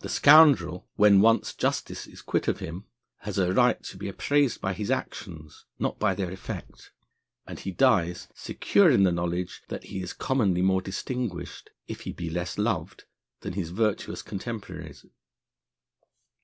The scoundrel, when once justice is quit of him, has a right to be appraised by his actions, not by their effect; and he dies secure in the knowledge that he is commonly more distinguished, if he be less loved, than his virtuous contemporaries.